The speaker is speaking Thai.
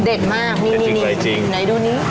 เด็ดมากนี่ใดดูนี่